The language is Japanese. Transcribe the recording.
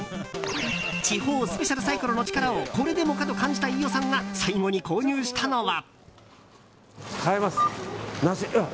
地方スペシャルサイコロの力をこれでもかと感じた飯尾さんが最後に購入したのは。